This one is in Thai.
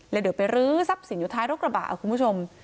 เดี๋ยวไปรื้อทรัพย์สินอยู่ท้ายรถกระบะคุณผู้ชม